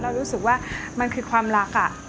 เรารู้สึกว่ามันคือความรักค่ะ